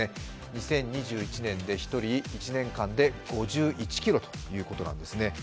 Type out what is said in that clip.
２０２１年で１人１年間で５１ｋｇということなんですね。